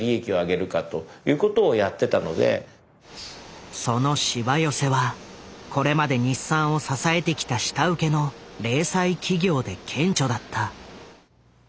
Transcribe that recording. もう少しそのしわ寄せはこれまで日産を支えてきた下請けの零細企業で顕著だった。